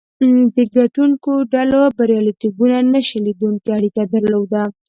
د ګټونکو ډلو بریالیتوب نه شلېدونکې اړیکه درلوده.